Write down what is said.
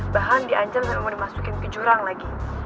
bahan diancam mau dimasukin ke jurang lagi